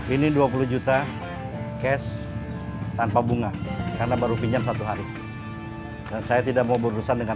ini dua puluh juta cash tanpa bunga karena baru pinjam satu hari dan saya tidak mau berurusan dengan